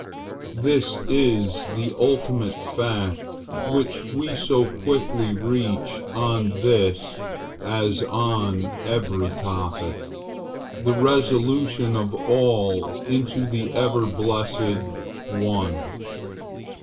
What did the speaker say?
This is the ultimate fact which we so quickly reach on this, as on every topic, the resolution of all into the ever blessed ONE.